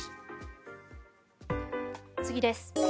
次です。